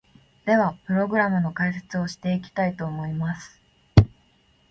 では、プログラムの解説をしていきたいと思います！